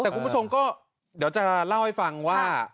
แต่คุณผู้ชมก็เดี๋ยวจะเล่าให้ฟังว่า